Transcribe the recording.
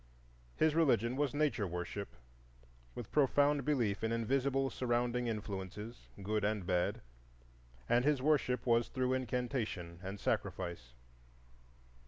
His religion was nature worship, with profound belief in invisible surrounding influences, good and bad, and his worship was through incantation and sacrifice.